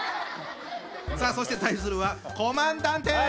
さあそして対するはコマンダンテ！